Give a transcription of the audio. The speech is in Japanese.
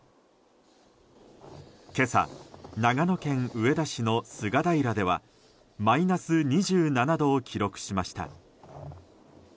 今朝、長野県上田市の菅平ではマイナス２７度を記録しました。